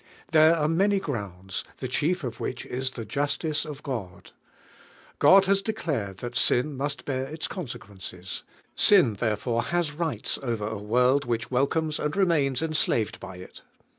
There are many grounds, Hie chief of which is I lie jiisilri: nf God. Clod lias declared thai sin must heai its consequences; sin there fore hu. s rights over a world which wel conies Dud remains enslaved by it.